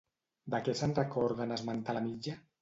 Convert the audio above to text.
De què se'n recorda en esmentar la mitja?